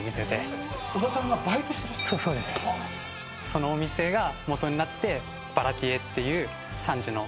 そのお店が基になってバラティエっていうサンジの。